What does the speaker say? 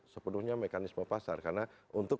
sepenuhnya mekanisme pasar karena untuk